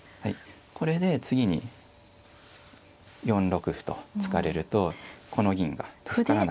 これで次に４六歩と突かれるとこの銀が助からなく。